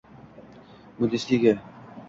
Bundesliga